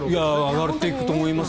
上がっていくと思います。